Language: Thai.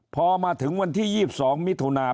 พอมาถึงวันที่๒๒มิถุนา